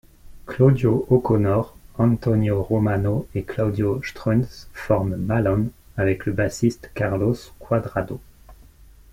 Claudio O'Connor, Antonio Romano et Claudio Strunz forment Malón, avec le bassiste Carlos Kuadrado.